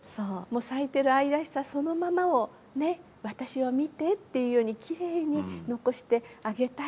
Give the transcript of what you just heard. もう咲いてる愛らしさそのままをねっ私を見てっていうようにきれいに残してあげたいっていう。